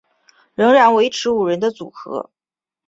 仍然维持五人的组合。